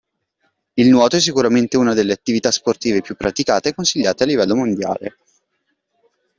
Il nuoto è sicuramente uno delle attività sportive più praticate e consigliate a livello modiale.